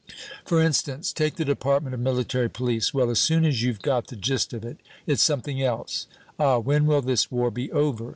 F'r instance, take the department of military police; well, as soon as you've got the gist of it, it's something else. Ah, when will this war be over?'